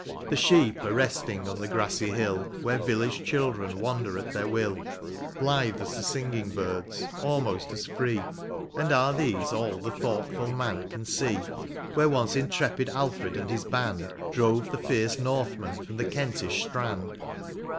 The sheep are resting on the grassy hill. Where village children wander at their will, Blithe as the singing birds, almost as free ; And are these all the thoughtful man can see Where once intrepid Alfred and his band Drove the fierce Northman from the Kentish strand